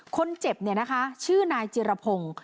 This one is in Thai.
คนเจ็บเนี่ยนะคะชื่อนายจิรพงศ์